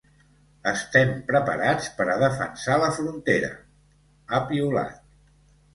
“Estem preparats per a defensar la frontera”, ha piulat.